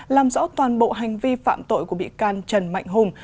làm rõ toàn bộ hành vi phạm tội của bị can trần mạnh hùng